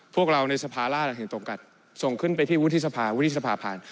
พวกเราในสภาร่างเห็นตรงกันส่งขึ้นไปที่วุฒิสภาวุฒิสภาผ่าน